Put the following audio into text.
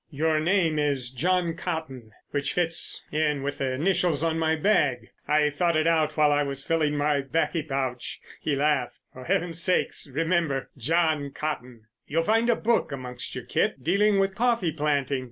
Your name is John Cotton—which fits in with the initials on my bag. I thought it out as I was filling my 'baccy pouch——" He laughed. "For heaven's sake, remember—John Cotton! You'll find a book amongst your kit dealing with coffee planting.